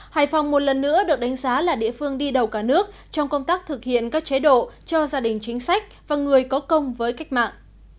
hải phòng một lần nữa được đánh giá là địa phương đi đầu cả nước trong công tác thực hiện các chế độ cho gia đình chính sách và người có công với cách mạng